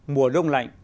mùa đông lạnh